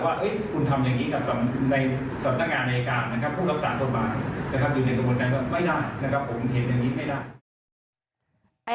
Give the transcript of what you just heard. นะครับอยู่ในกระบวนนั้นว่าไม่ได้นะครับผมเห็นอย่างนี้ไม่ได้